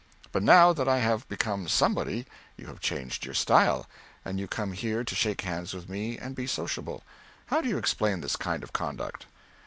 But now that I have become somebody, you have changed your style, and you come here to shake hands with me and be sociable. How do you explain this kind of conduct?"